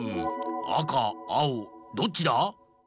あかあおどっちだ？